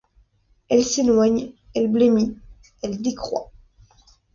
Elle s’éloigne, elle blêmit, elle décroît.